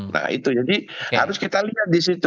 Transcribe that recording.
nah itu jadi harus kita lihat di situ